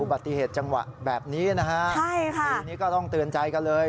ปฏิเหตุจังหวะแบบนี้นะฮะใช่ค่ะทีนี้ก็ต้องเตือนใจกันเลย